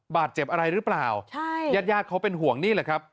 บาดเจ็บอะไรหรือเปล่ายาดเขาเป็นห่วงนี่แหละครับ